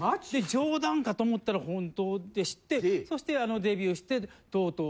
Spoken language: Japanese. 冗談かと思ったら本当でしてそしてあのデビューしてとうとう